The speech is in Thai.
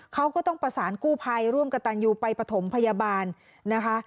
เขาก็ต้องประสานกู้ภัยร่วมกับตันยูไปปฐมพยาบาลนะคะ